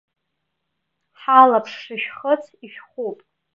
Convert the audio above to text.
Ҳалаԥш шышәхыц ишәхуп.